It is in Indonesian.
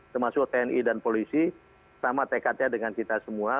termasuk tni dan polisi sama tekadnya dengan kita semua